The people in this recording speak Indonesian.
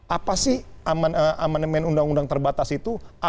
apa sih amandemen undang undang terbatas itu